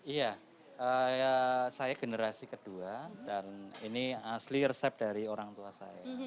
iya saya generasi kedua dan ini asli resep dari orang tua saya